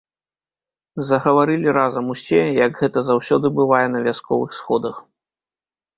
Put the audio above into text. Загаварылі разам усе, як гэта заўсёды бывае на вясковых сходах.